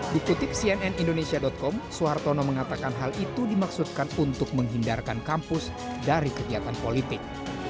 dikutip cnn indonesia com suhartono mengatakan hal itu dimaksudkan untuk menghindarkan kampus dari kegiatan politik